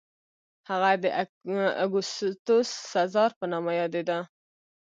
هغه د اګوستوس سزار په نامه یادېده.